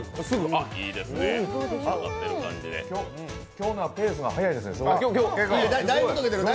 今日のはペースが速いですね。